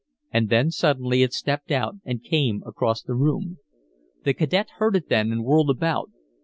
And then suddenly it stepped out and came across the room. The cadet heard it then, and whirled about.